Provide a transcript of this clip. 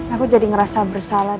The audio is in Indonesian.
aku jadi ngerasa bersalah